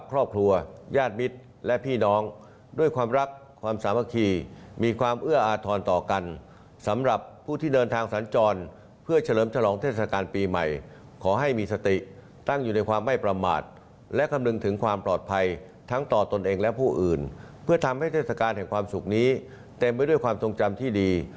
เพื่อทำให้เทศกาลของความสุขนี้เต็มไว้ด้วยความทรงจำที่ดี